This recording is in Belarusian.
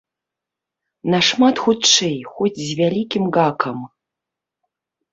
Нашмат хутчэй, хоць з вялікім гакам.